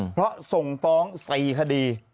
เพราะส่งฟ้อง๔คดี